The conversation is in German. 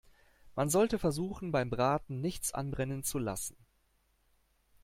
Man sollte versuchen, beim Braten nichts anbrennen zu lassen.